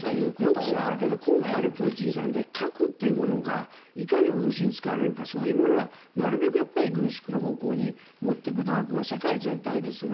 抑止はあるけど今回のプーチンさんで核というものがいかに脅しに使われるかそういうものはなるべく軍縮の方向に持っていく努力を世界全体でする。